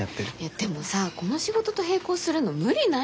でもさこの仕事と並行するの無理ない？